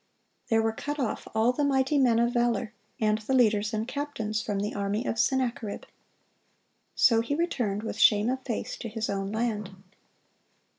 There were "cut off all the mighty men of valor, and the leaders and captains," from the army of Sennacherib. "So he returned with shame of face to his own land."